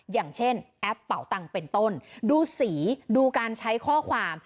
อย่างเช่นแอปเป่าตังเป็นต้นดูสีดูการใช้ข้อความ